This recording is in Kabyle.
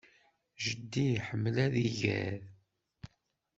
Jeddi iḥemmel ad iɣer.